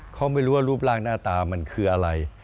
เขาไม่รู้ว่ารูปร่างหน้าตามันคืออะไร